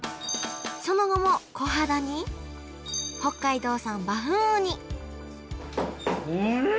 その後もこはだに北海道産バフンウニうん！